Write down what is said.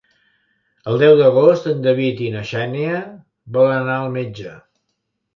El deu d'agost en David i na Xènia volen anar al metge.